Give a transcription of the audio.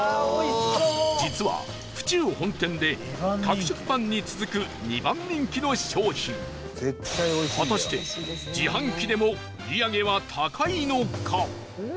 実は、府中本店で角食パンに続く２番人気の商品果たして、自販機でも売り上げは高いのか？